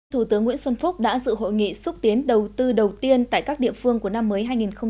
thủ tướng nguyễn xuân phúc đã dự hội nghị xúc tiến đầu tư đầu tiên tại các địa phương của năm mới hai nghìn hai mươi